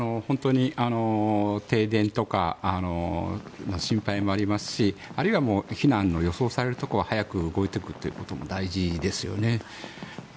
停電とか心配もありますしあるいは避難の予想されるところは早く動いていくことも大事ですよね。